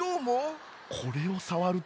これをさわると。